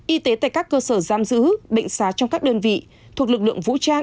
y tế tại các cơ sở giam giữ bệnh xá trong các đơn vị thuộc lực lượng vũ trang